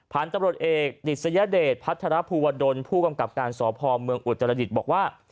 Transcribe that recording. ตำรวจเอกดิษยเดชพัฒนภูวดลผู้กำกับการสพเมืองอุตรดิษฐ์บอกว่า